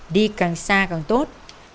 đi càng xa càng tốt